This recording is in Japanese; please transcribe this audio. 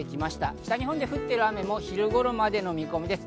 北日本で降っている雨も昼頃までの見込みです。